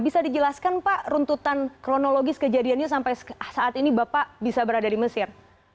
bisa dijelaskan pak runtutan kronologis kejadiannya sampai saat ini bapak bisa berada di mesir